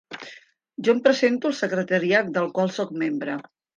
Jo em presento al secretariat del qual sóc membre.